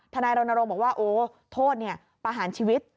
นายรณรงค์บอกว่าโอ้โทษเนี่ยประหารชีวิต